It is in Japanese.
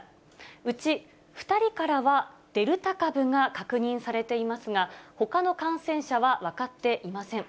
うち２人からはデルタ株が確認されていますが、ほかの感染者は分かっていません。